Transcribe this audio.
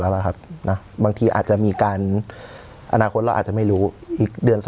แล้วครับนะบางทีอาจจะมีการอนาคตเราอาจจะไม่รู้อีกเดือน